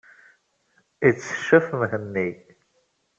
Itteccef Mhenni.